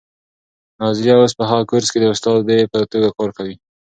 نازیه اوس په هغه کورس کې د استادې په توګه کار کوي.